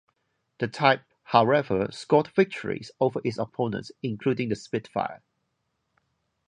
The type, however, scored victories over its opponents, including the Spitfire.